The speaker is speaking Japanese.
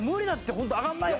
ホント上がんないよこれ。